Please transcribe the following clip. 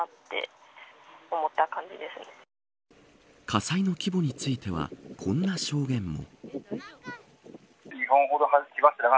火災の規模についてはこんな証言も。